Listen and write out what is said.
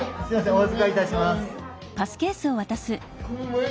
お預かりいたします。